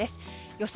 予想